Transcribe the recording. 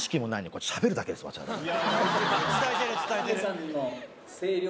伝えてる伝えてる！